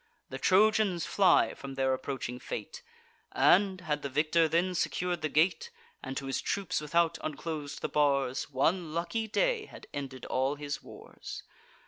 The Trojans fly from their approaching fate; And, had the victor then secur'd the gate, And to his troops without unclos'd the bars, One lucky day had ended all his wars.